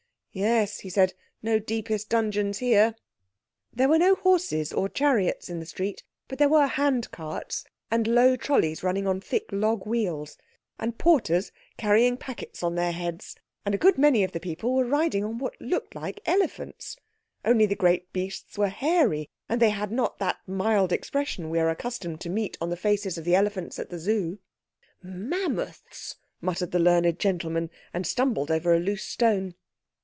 "Yes," he said, "no deepest dungeons here." There were no horses or chariots in the street, but there were handcarts and low trolleys running on thick log wheels, and porters carrying packets on their heads, and a good many of the people were riding on what looked like elephants, only the great beasts were hairy, and they had not that mild expression we are accustomed to meet on the faces of the elephants at the Zoo. "Mammoths!" murmured the learned gentleman, and stumbled over a loose stone.